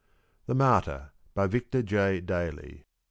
THE MARTYR. BY VICTOR J. DALEY.